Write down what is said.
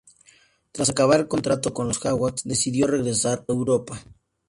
Tras acabar contrato con los Hawks, decidió regresar a Europa.